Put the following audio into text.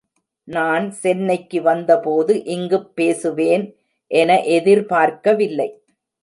நான் சென்னைக்கு வந்தபோது இங்குப் பேசுவேன் என எதிர்பார்க்கவில்லை.